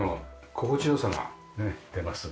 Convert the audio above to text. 心地良さが出ます。